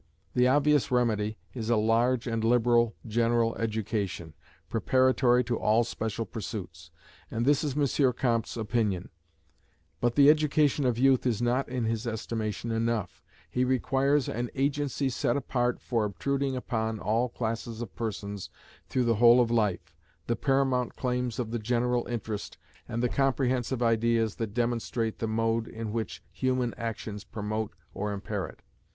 The obvious remedy is a large and liberal general education, preparatory to all special pursuits: and this is M. Comte's opinion: but the education of youth is not in his estimation enough: he requires an agency set apart for obtruding upon all classes of persons through the whole of life, the paramount claims of the general interest, and the comprehensive ideas that demonstrate the mode in which human actions promote or impair it.